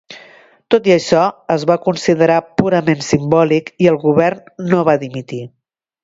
Tot i això, es va considerar purament simbòlic i el govern no va dimitir.